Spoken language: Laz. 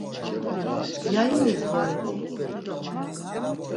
Yayinis voreti?